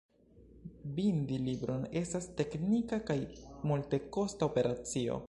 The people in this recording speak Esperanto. Bindi libron estas teknika kaj multekosta operacio.